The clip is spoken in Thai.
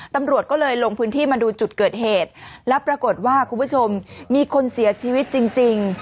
ตำรวจก็เลยลงพื้นที่มาดูจุดเกิดเหตุแล้วปรากฏว่าคุณผู้ชมมีคนเสียชีวิตจริง